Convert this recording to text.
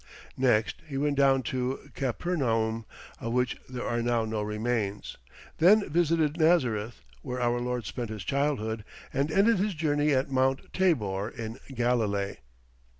Next he went down to Capernaum, of which there are now no remains; then visited Nazareth, where our Lord spent His childhood, and ended his journey at Mount Tabor in Galilee.